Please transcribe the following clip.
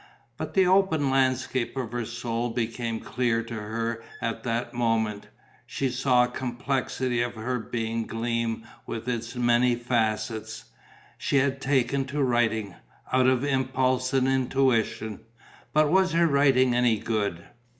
But the open landscape of her soul became clear to her at that moment. She saw the complexity of her being gleam with its many facets.... She had taken to writing, out of impulse and intuition; but was her writing any good?